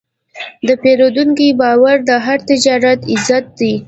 د پیرودونکي باور د هر تجارت عزت دی.